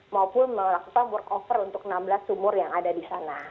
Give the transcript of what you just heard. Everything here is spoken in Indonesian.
maupun melakukan work over untuk enam belas sumur yang ada di sana